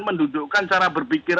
mendudukkan cara berpikir